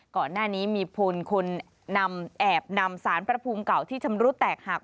ก่อนหน้านี้มีพลคนนำแอบนำสารพระภูมิเก่าที่ชำรุดแตกหัก